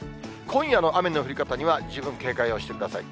今夜の雨の降り方には十分警戒をしてください。